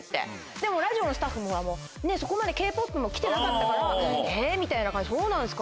でもラジオのスタッフもそこまでＫ−ＰＯＰも来てなかったからえそうなんすか？